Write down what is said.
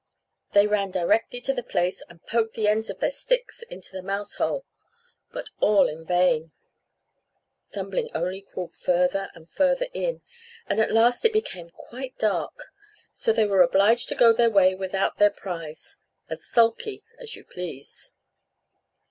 They ran directly to the place, and poked the ends of their sticks into the mouse hole, but all in vain; Thumbling only crawled further and further in, and at last it became quite dark, so they were obliged to go their way without their prize, as sulky as you please.